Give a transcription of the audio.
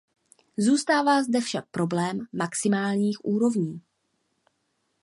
Zůstává zde však problém maximálních úrovní.